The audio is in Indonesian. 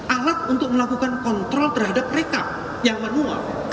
alat untuk melakukan kontrol terhadap mereka yang manual